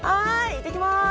いってきます。